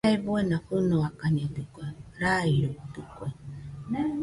Jae buena fɨnoakañedɨkue, rairuitɨkue.